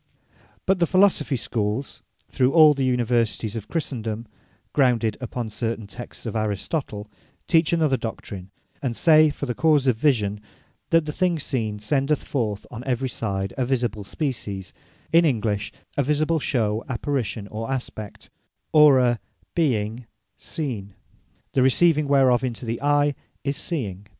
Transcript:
But the Philosophy schooles, through all the Universities of Christendome, grounded upon certain Texts of Aristotle, teach another doctrine; and say, For the cause of Vision, that the thing seen, sendeth forth on every side a Visible Species(in English) a Visible Shew, Apparition, or Aspect, or a Being Seen; the receiving whereof into the Eye, is Seeing.